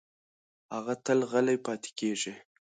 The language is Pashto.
هغه تل غلې پاتې کېږي.